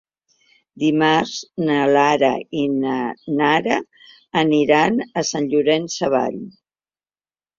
Dimarts na Lara i na Nara aniran a Sant Llorenç Savall.